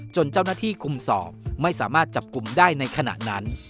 จนเจ้าหน้าที่คุมสอบไม่สามารถจับกลุ่มได้ในขณะนั้น